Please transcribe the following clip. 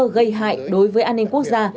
gây hại đối với an ninh quốc gia